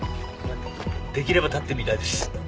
できれば立ってみたいです。